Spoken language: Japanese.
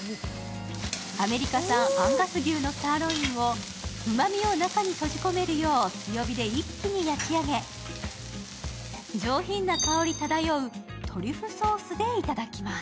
アメリカ産アンガス牛のサーロインをうまみを中に閉じ込めるよう強火で一気に焼き上げ、上品な香り漂うトリュフソースでいただきます。